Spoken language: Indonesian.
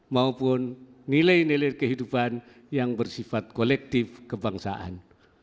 maupun nilai nilai kehidupan yang bersifat kolektif kebangsaan